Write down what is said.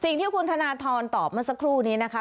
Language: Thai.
สิ่งที่คุณธนทรตอบเมื่อสักครู่นี้นะคะ